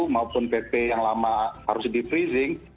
maupun pp yang lama harus di freezing